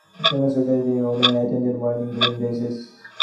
Famous society women would attend wearing green dresses.